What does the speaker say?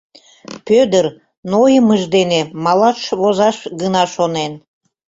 Пӧдыр нойымыж дене малаш возаш гына шонен.